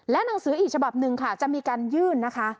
หนังสืออีกฉบับหนึ่งค่ะจะมีการยื่นนะคะ